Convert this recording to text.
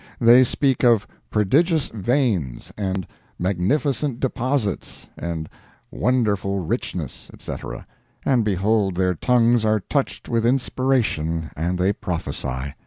They speak of "prodigious veins" and "magnificent deposits" and "wonderful richness," etc., and behold their tongues are touched with inspiration and they prophecy!